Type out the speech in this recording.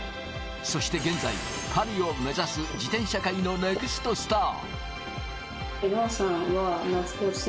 そして現在、パリを目指す自転車界のネクストスター。